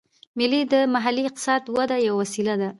مېلې د محلي اقتصاد وده یوه وسیله ده.